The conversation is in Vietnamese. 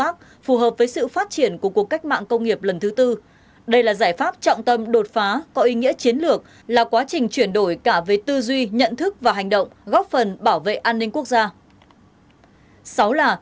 sáu tăng cường công tác phù hợp với sự phát triển của cuộc cách mạng công nghiệp lần thứ tư đây là giải pháp trọng tâm đột phá có ý nghĩa chiến lược là quá trình chuyển đổi cả về tư duy nhận thức và hành động góp phần bảo vệ an ninh quốc gia